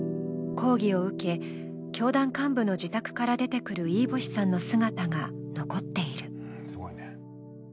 講義を受け、教団幹部の自宅から出てくる飯星さんの姿が残っている。